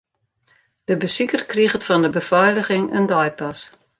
De besiker kriget fan de befeiliging in deipas.